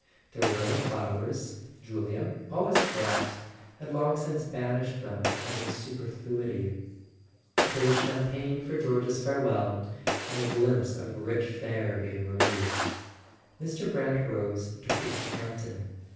There were no flowers: Julia, always correct, had long since banished them as a super¬ fluity. But there was champagne for George's farewell, and a glimpse of rich fare being removed. Mr. Brant rose to greet Campton.